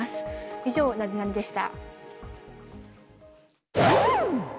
以上、ナゼナニっ？でした。